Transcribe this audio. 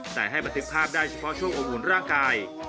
แต่ให้บันทึกภาพได้เฉพาะช่วงอบอุ่นร่างกาย